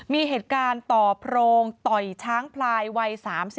มีเหตุการณ์ต่อโพรงต่อยช้างพลายวัย๓๔